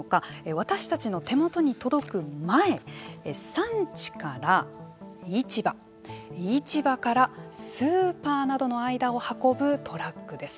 私たちの手元に届く前産地から市場市場からスーパーなどの間を運ぶトラックです。